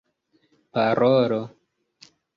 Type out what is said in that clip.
parolo